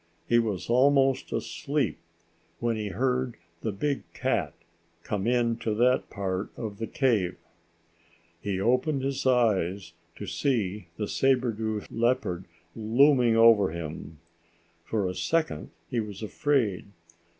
He was almost asleep, when he heard the big cat come into that part of the cave. He opened his eyes to see the sabre tooth leopard looming over him. For a second he was afraid.